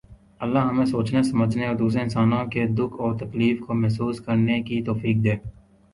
اللہ ہمیں سوچنے سمجھنے اور دوسرے انسانوں کے دکھ اور تکلیف کو محسوس کرنے کی توفیق دے